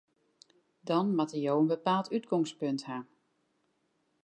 Dan moatte jo in bepaald útgongspunt ha.